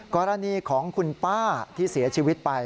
กรณีของคุณป้าที่เสียชีวิตไป